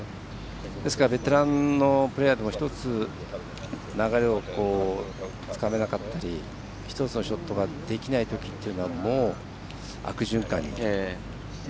ですからベテランのプレーヤーでも１つ、流れをつかめなかったり１つのショットができないときというのはもう悪循環に。